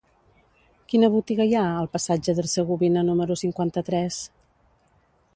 Quina botiga hi ha al passatge d'Hercegovina número cinquanta-tres?